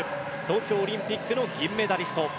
東京オリンピックの銀メダリスト。